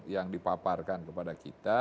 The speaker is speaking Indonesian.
yang dipaparkan kepada kita